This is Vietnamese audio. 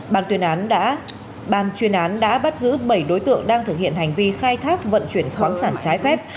bàn chuyên án đã bắt giữ bảy đối tượng đang thực hiện hành vi khai thác vận chuyển khoáng sản trái phép